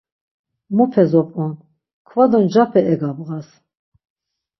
Mupe zop̌on, kva do ncape egabğas.